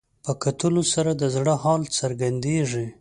په کتلو سره د زړه حال څرګندېږي